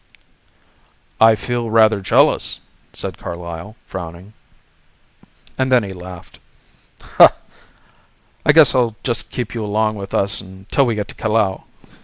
"I feel rather jealous," said Carlyle, frowning and then he laughed. "I guess I'll just keep you along with us until we get to Callao.